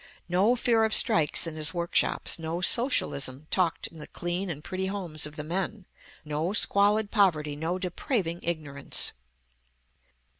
No fear of strikes in his workshops; no socialism talked in the clean and pretty homes of the men; no squalid poverty, no depraving ignorance.